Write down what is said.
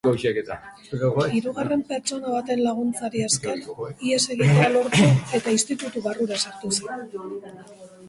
Hirugarren pertsona baten laguntzari esker ihes egitea lortu eta institutu barrura sartu zen.